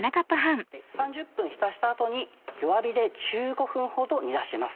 ３０分浸した後に弱火で１５分ほど煮出します。